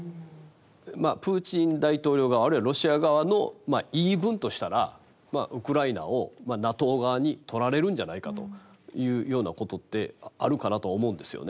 プーチン大統領側あるいはロシア側の言い分としたらウクライナをＮＡＴＯ側に取られるんじゃないかというようなことってあるかなとは思うんですよね